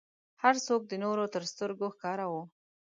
هر څوک د نورو تر سترګو ښکاره و.